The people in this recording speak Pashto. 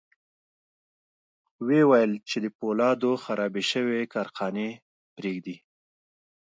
ويې ويل چې د پولادو خرابې شوې کارخانې پرېږدي.